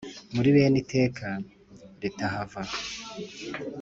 muri bene iteka ritahava,